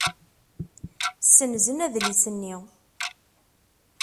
Ssenzen adlis-nni.